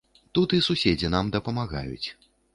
Тут і суседзі нам дапамагаюць.